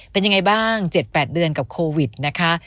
เป็นยังไงบ้าง๗๘เดือนกับโควิดนะคะ